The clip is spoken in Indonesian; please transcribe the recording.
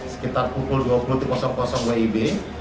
sekitar pukul dua puluh wib